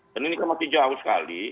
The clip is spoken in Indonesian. dan ini masih jauh sekali